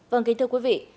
vâng kính thưa quý vị